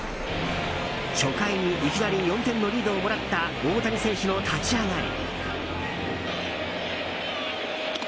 初回に、いきなり４点のリードをもらった大谷選手の立ち上がり。